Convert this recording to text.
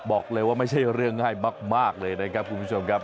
บอกเลยว่าไม่ใช่เรื่องง่ายมากเลยนะครับคุณผู้ชมครับ